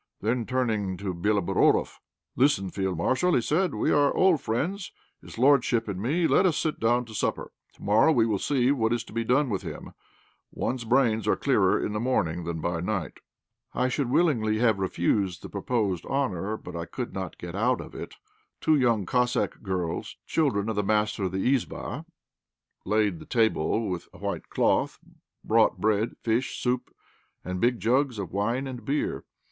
Then, turning to Béloborodoff, "Listen, field marshal," said he, "we are old friends, his lordship and me; let us sit down to supper. To morrow we will see what is to be done with him; one's brains are clearer in the morning than by night." I should willingly have refused the proposed honour, but I could not get out of it. Two young Cossack girls, children of the master of the "izbá," laid the table with a white cloth, brought bread, fish, soup, and big jugs of wine and beer.